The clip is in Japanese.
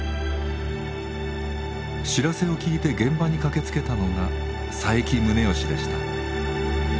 知らせを聞いて現場に駆けつけたのが佐伯宗義でした。